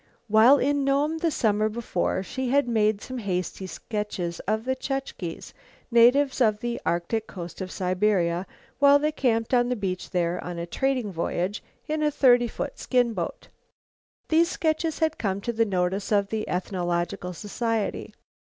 While in Nome the summer before she had made some hasty sketches of the Chukches, natives of the Arctic coast of Siberia, while they camped on the beach there on a trading voyage in a thirty foot skin boat. These sketches had come to the notice of the ethnological society.